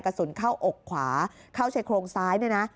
กระสุนเข้าอกขวาเข้าใช้โครงซ้าย